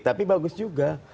tapi bagus juga